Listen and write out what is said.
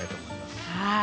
はい。